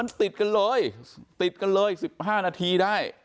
เออมันติดกันเลย๑๕นาทีได้